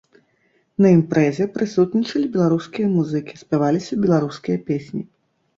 На імпрэзе прысутнічалі беларускія музыкі, спяваліся беларускія песні.